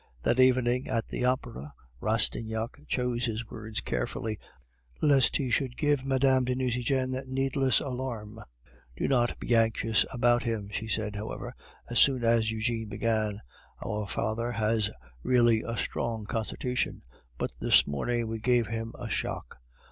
That evening at the opera Rastignac chose his words carefully, lest he should give Mme. de Nucingen needless alarm. "Do not be anxious about him," she said, however, as soon as Eugene began, "our father has really a strong constitution, but this morning we gave him a shock.